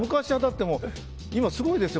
今、すごいですよ。